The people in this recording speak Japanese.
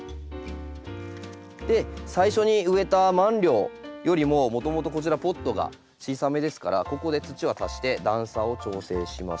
で最初に植えたマンリョウよりももともとこちらポットが小さめですからここで土は足して段差を調整します。